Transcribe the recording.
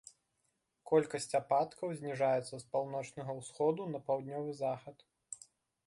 Колькасць ападкаў зніжаецца з паўночнага ўсходу на паўднёвы захад.